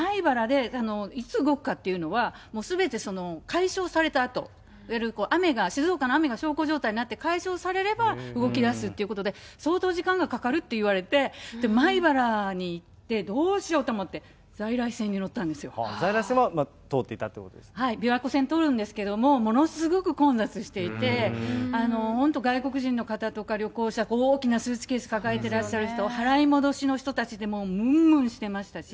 米原でいつ動くかというのは、すべて解消されたあと、いわゆるいわゆる雨が、静岡の雨が解消されれば動きだすっていうことで相当時間がかかるって言われて、米原に行って、どうしようと思って、在来線は通っていたというこ琵琶湖線、通るんですけど、ものすごく混雑していて、本当、外国人の方とか、旅行者が大きなスーツケース抱えてらっしゃる人、払い戻しの人たちでもう、むんむんしてましたし。